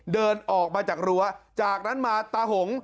เดินออกมาจากรั้วจากนั้นมาตาหง